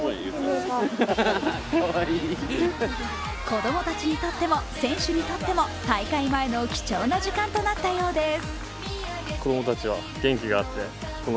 子供たちにとっても選手にとっても大会前の貴重な時間となったようです。